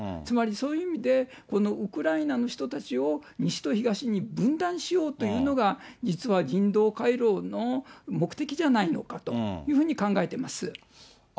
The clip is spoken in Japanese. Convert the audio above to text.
つまりそういう意味で、このウクライナの人たちを西と東に分断しようというのが、実は人道回廊の目的じゃないのかというふうに考えています。